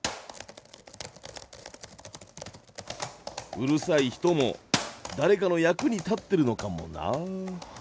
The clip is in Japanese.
うるさい人も誰かの役に立ってるのかもな。